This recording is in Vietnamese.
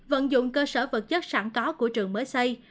vận dụng cơ sở vật chất sẵn có của trường mới xây